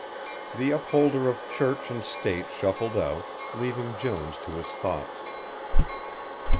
The upholder of Church and State shuffled out, leaving Jones to his thoughts.